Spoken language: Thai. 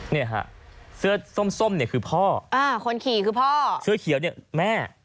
เนี่ยฮะเสื้อส้มเนี่ยคือพ่ออ่าคนขี่คือพ่อเสื้อเขียวเนี่ยแม่